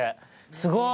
すごい！